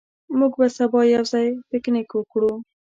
موږ به سبا یو ځای پکنیک وکړو.